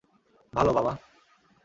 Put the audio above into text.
ভালো, বাবা।